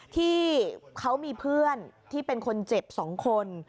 ที่เขามีเพื่อนที่เป็นคนเจ็บ๒คน